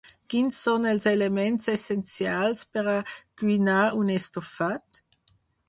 Quins són els elements essencials per a cuinar un estofat?